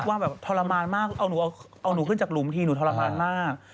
ว่าแบบทรมานมากเอาหนูเอาหนูขึ้นจากหลุมทีหนูทรมานมาก